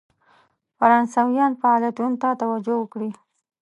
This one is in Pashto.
فرانسویانو فعالیتونو ته توجه وکړي.